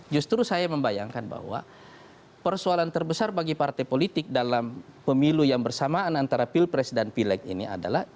justru saya membayangkan bahwa persoalan terbesar bagi partai politik dalam pemilu yang bersamaan antara pilpres dan pileg ini adalah